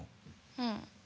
うん。